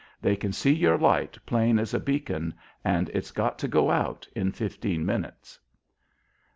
They can see your light plain as a beacon, and it's got to go out in fifteen minutes."